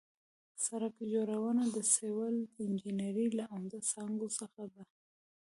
سړک جوړونه د سیول انجنیري له عمده څانګو څخه ده